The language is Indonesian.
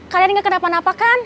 kalian gak kena panah apa kan